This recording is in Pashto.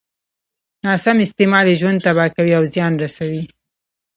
ناسم استعمال يې ژوند تباه کوي او زيان رسوي.